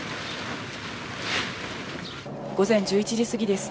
午前１１時過ぎです。